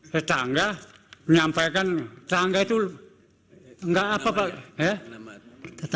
tetangga menyampaikan tetangga itu gak apa pak